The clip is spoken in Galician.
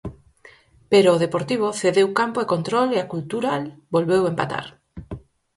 Pero o Deportivo cedeu campo e control e a Cultural volveu empatar.